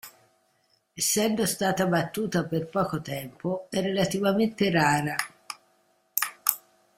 Essendo stata battuta per poco tempo è relativamente rara.